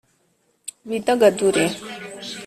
bidagadure.